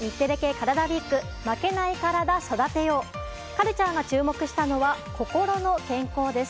カルチャーが注目したのは心の健康です。